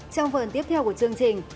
trong phần tiếp theo của chương trình